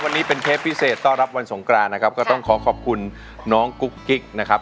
วันนี้เป็นเทปพิเศษต้อนรับวันสงกรานนะครับก็ต้องขอขอบคุณน้องกุ๊กกิ๊กนะครับ